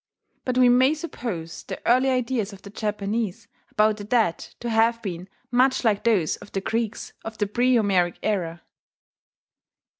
But we may suppose the early ideas of the Japanese about the dead to have been much like those of the Greeks of the pre Homeric era.